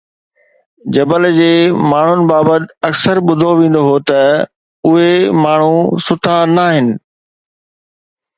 جبل جي ماڻهن بابت اڪثر ٻڌو ويندو هو ته اهي ماڻهو سٺا ناهن